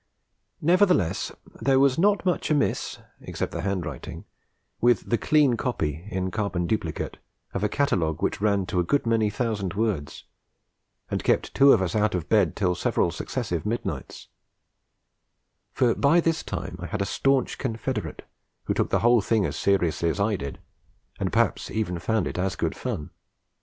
Nevertheless, there was not much amiss (except the handwriting) with the clean copy (in carbon duplicate) of a catalogue which ran to a good many thousand words, and kept two of us out of bed till several successive midnights; for by this time I had a staunch confederate who took the whole thing as seriously as I did, and perhaps even found it as good fun.